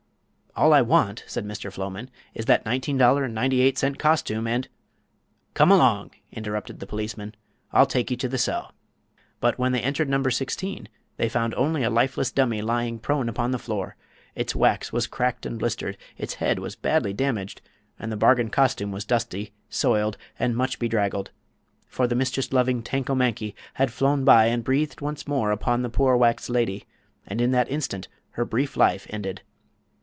"All I want," said Mr. Floman, "is that $19.98 costume and—" "Come along!" interrupted the policeman. "I'll take you to the cell." But when they entered No. 16 they found only a lifeless dummy lying prone upon the floor. Its wax was cracked and blistered, its head was badly damaged, and the bargain costume was dusty, soiled and much bedraggled. For the mischief loving Tanko Mankie had flown by and breathed once more upon the poor wax lady, and in that instant her brief life ended.